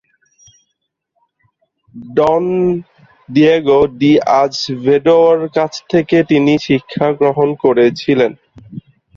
ডন Diego ডি’আজেভেদোও’র কাছ থেকে তিনি শিক্ষাগ্রহণ করেছিলেন।